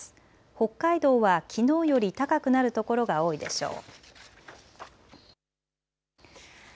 北海道はきのうより高くなる所が多いでしょう。